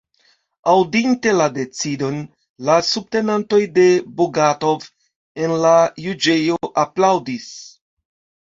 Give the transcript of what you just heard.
Aŭdinte la decidon, la subtenantoj de Bogatov en la juĝejo aplaŭdis.